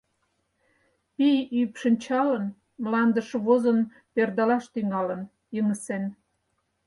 Пий ӱпшынчалын, мландыш возын, пӧрдалаш тӱҥалын, йыҥысен.